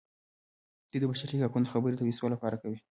دوی د بشري حقونو خبرې د پیسو لپاره کوي.